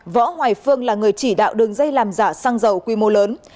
võ hoài phương là người chỉ đạo đường dây làm giả xăng dầu quy mô lớn